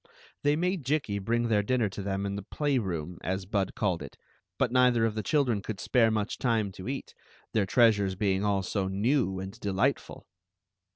They made Jikki bring their dinner to them in the "play room," as Bud called it; but neither of the chil dren could spare much time to eat, their treasures being all so new and delightful.